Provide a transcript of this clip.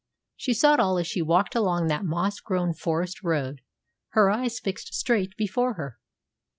She saw it all as she walked along that moss grown forest road, her eyes fixed straight before her.